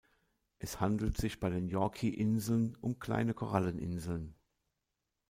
Es handelt sich bei den "Yorke-Inseln" um kleine Koralleninseln.